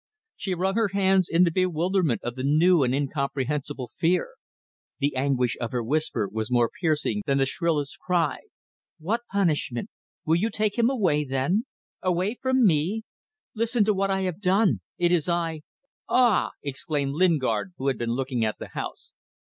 She wrung her hands in the bewilderment of the new and incomprehensible fear. The anguish of her whisper was more piercing than the shrillest cry. "What punishment! Will you take him away then? Away from me? Listen to what I have done. ... It is I who ..." "Ah!" exclaimed Lingard, who had been looking at the house.